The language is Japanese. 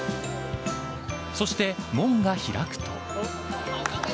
そして、門が開くと。